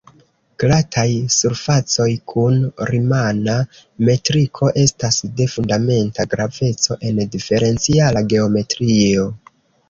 Glataj surfacoj kun rimana metriko estas de fundamenta graveco en diferenciala geometrio.